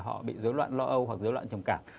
họ bị dối loạn lo âu hoặc dối loạn trầm cảm